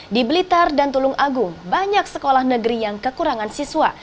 di blitar dan tulung agung banyak sekolah negeri yang kekurangan siswa